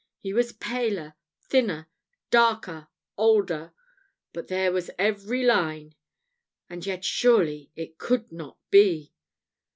He was paler, thinner, darker, older but there was every line and yet surely it could not be."